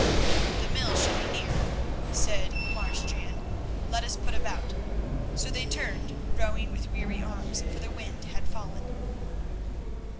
"The mill should be near," said Marsh Jan, "let us put about." So they turned, rowing with weary arms, for the wind had fallen.